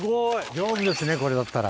丈夫ですねこれだったら。